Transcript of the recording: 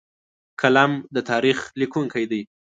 قلم د تاریخ لیکونکی دی